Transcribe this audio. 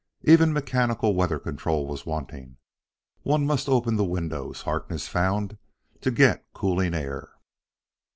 Even mechanical weather control was wanting; one must open the windows, Harkness found, to get cooling air.